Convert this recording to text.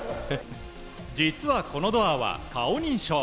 実はこのドアは、顔認証。